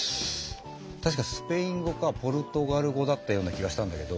確かスペイン語かポルトガル語だったような気がしたんだけど。